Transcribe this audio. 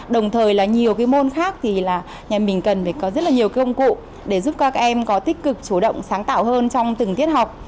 đồng thời là nhiều cái môn khác thì là nhà mình cần phải có rất là nhiều công cụ để giúp các em có tích cực chủ động sáng tạo hơn trong từng tiết học